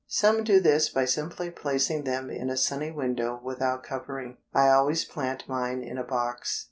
Some do this by simply placing them in a sunny window without covering. I always plant mine in a box.